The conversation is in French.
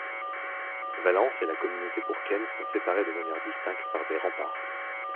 Valence et la communauté bourcaine sont séparés de manière distincte par des remparts.